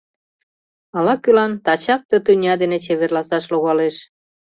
Ала-кӧлан тачак ты тӱня дене чеверласаш логалеш.